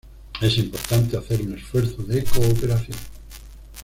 Es importante hacer un esfuerzo de cooperación.